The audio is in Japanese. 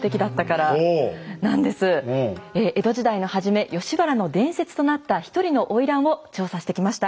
江戸時代の初め吉原の伝説となった一人の花魁を調査してきました。